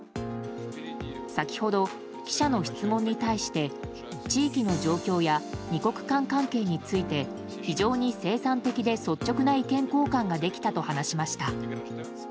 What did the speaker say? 先ほど、記者の質問に対して地域の状況や２国間関係について非常に生産的で率直な意見交換ができたと話しました。